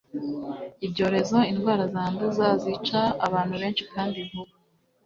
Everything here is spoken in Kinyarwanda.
ibyorezo indwara zanduza, zica abantu benshi kandi vuba